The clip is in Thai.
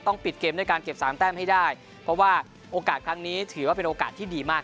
ปิดเกมด้วยการเก็บสามแต้มให้ได้เพราะว่าโอกาสครั้งนี้ถือว่าเป็นโอกาสที่ดีมาก